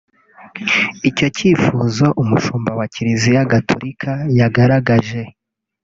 Icyo cyifuzo umushumba wa Kiliziya gatulika yagaragaje